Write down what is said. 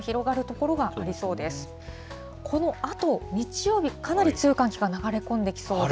このあと日曜日、かなり強い寒気が流れ込んできそうで。